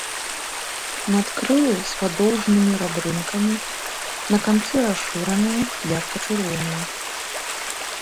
Надкрылы з падоўжнымі рабрынкамі, на канцы расшыраныя, ярка-чырвоныя.